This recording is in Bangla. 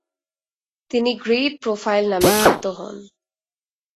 তিনি "গ্রেট প্রোফাইল" নামে খ্যাত হন।